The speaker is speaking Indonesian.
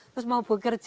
terus mau bekerja di rumah